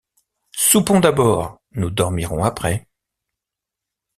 Soupons d’abord, nous dormirons après.